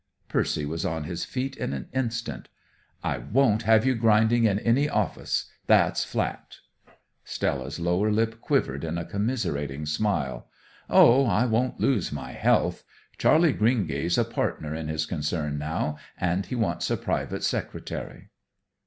Percy was on his feet in an instant. "I won't have you grinding in any office. That's flat." Stella's lower lip quivered in a commiserating smile. "Oh, I won't lose my health. Charley Greengay's a partner in his concern now, and he wants a private secretary."